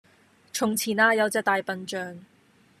從前呀有隻大笨象